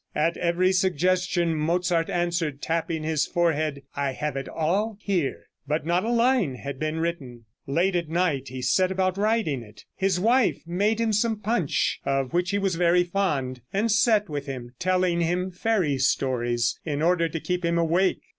At every suggestion Mozart answered, tapping his forehead, "I have it all here." But not a line had been written. Late at night he set about writing it. His wife made him some punch, of which he was very fond, and sat with him telling him fairy stories, in order to keep him awake.